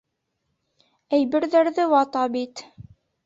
Әйберҙәрҙе вата бит!